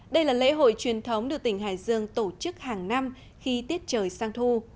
đây là lễ hội truyền thống được tỉnh hải dương tổ chức hàng năm khi tiết trời sang thu